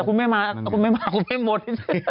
คุณแม่ม้าคุณแม่ม้าคุณแม่มวด